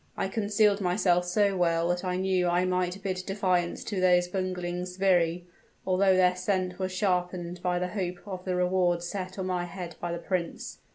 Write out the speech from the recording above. "I concealed myself so well that I knew I might bid defiance to those bungling sbirri although their scent was sharpened by the hope of the reward set on my head by the prince.